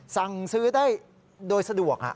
สั่งซื้อได้โดยสะดวก